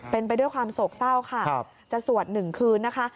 เป็นไปด้วยความโศกเศร้าค่ะจะสวด๑คืนนะคะ